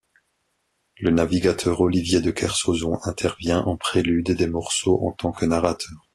Le navigateur Olivier de Kersauson intervient en prélude des morceaux en tant que narrateur.